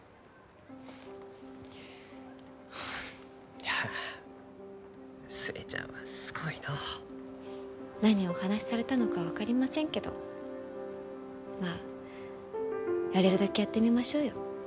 いや寿恵ちゃんは、すごいのう。何をお話しされたのか分かりませんけどまあ、やれるだけやってみましょうよ。